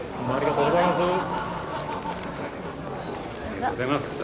ありがとうございます。